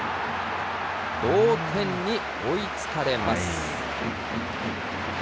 同点に追いつかれます。